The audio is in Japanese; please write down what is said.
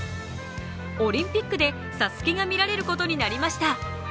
オリンピックで「ＳＡＳＵＫＥ」が見られることになりました。